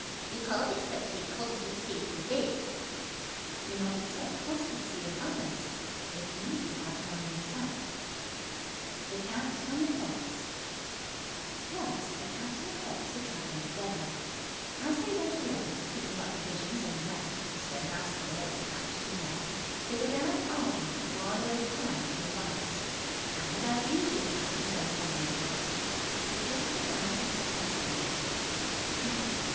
You can't expect any constancy from me!" Do not expect constancy in others if you have none yourself. [Illustration: THE ROSE AND THE BUTTERFLY] THE CAT AND THE FOX Once a Cat and a Fox were traveling together. As they went along, picking up provisions on the way a stray mouse here, a fat chicken there they began an argument to while away the time between bites. And, as usually happens when comrades argue, the talk began to get personal.